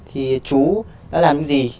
thì chú đã làm những gì